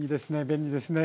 便利ですね。